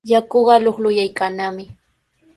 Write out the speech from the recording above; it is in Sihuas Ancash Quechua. Yakuqa luqluqyaykannami.